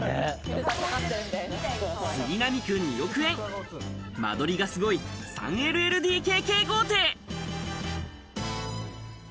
杉並区２億円、間取りがすごい、３ＬＬＤＫＫ豪邸。